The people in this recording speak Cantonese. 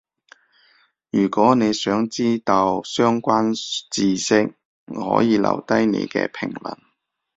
如果你想知到相關智識，可以留低你嘅評論